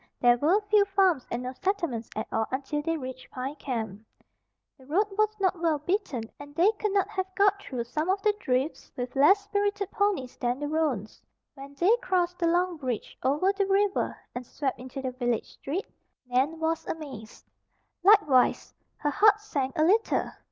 There were few farms and no settlements at all until they reached Pine Camp. The road was not well beaten and they could not have got through some of the drifts with less spirited ponies than the roans. When they crossed the long bridge over the river and swept into the village street, Nan was amazed. Likewise, her heart sank a little.